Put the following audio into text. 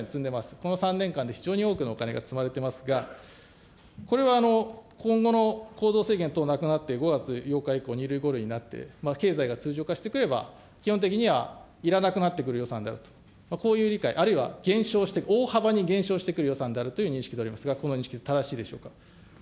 この３年間で非常に多くのお金が積まれてますが、これは今後の行動制限等なくなって５月８日以降、２類、５類になって、経済が通常化してくれば、基本的にはいらなくなってくる予算であると、こういう理解、あるいは減少して、大幅に減少してくる予算という認識でおりますが、この認識で正しいでしょうか。